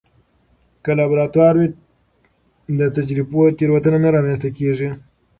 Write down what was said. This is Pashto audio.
که لابراتوار وي، د تجربو تېروتنه نه رامنځته کېږي.